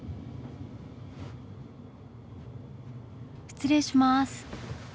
失礼します。